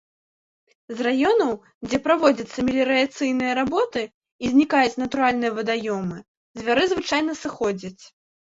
З раёнаў, дзе праводзяцца меліярацыйныя работы і знікаюць натуральныя вадаёмы, звяры звычайна сыходзяць.